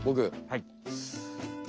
はい。